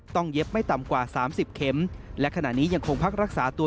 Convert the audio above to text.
เย็บไม่ต่ำกว่า๓๐เข็มและขณะนี้ยังคงพักรักษาตัว